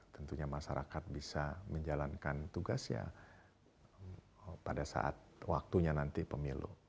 tentunya masyarakat bisa menjalankan tugasnya pada saat waktunya nanti pemilu